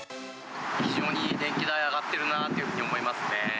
非常に電気代上がってるなというふうに思いますね。